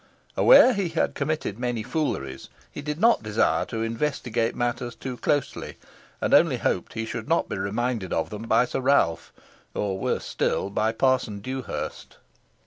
Aware he had committed many fooleries, he did not desire to investigate matters too closely, and only hoped he should not be reminded of them by Sir Ralph, or worse still, by Parson Dewhurst.